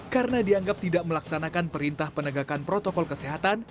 karena dianggap tidak melaksanakan perintah penegakan protokol kesehatan